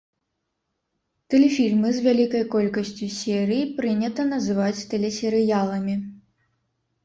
Тэлефільмы з вялікай колькасцю серый прынята называць тэлесерыяламі.